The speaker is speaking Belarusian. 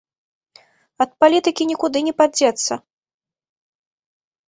Ад палітыкі нікуды не падзецца!